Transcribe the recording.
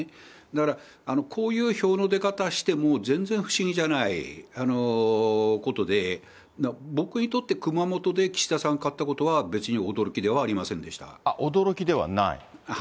だから、こういう票の出方しても、全然不思議じゃないことで、僕にとって熊本で岸田さん勝ったことは別に驚きではありませんで驚きではない。